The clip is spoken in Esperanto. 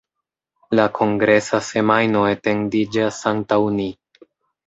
La kongresa semajno etendiĝas antaŭ ni.